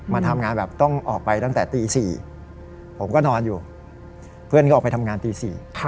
มาทำงานแบบต้องออกไปตั้งแต่ตี๔ผมก็นอนอยู่เพื่อนก็ออกไปทำงานตี๔